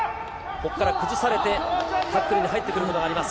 ここから崩されて、タックルに入ってくることがあります。